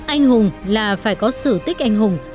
anh hùng là phải có sử tích anh hùng